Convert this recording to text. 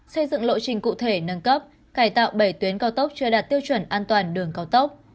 xây dựng lộ trình cụ thể nâng cấp cải tạo bảy tuyến cao tốc chưa đạt tiêu chuẩn an toàn đường cao tốc